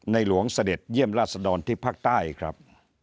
หลวงเสด็จเยี่ยมราชดรที่ภาคใต้ครับ